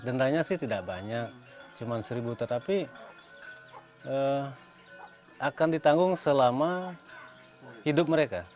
dendanya sih tidak banyak cuma seribu tetapi akan ditanggung selama hidup mereka